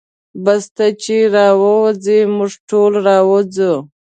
بس ته چې راووځې موږ ټول راوځو.